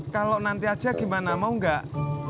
kalau nanti aja gimana mau nggak